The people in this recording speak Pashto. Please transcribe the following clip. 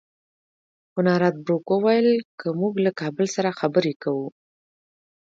خو نارت بروک وویل که موږ له کابل سره خبرې کوو.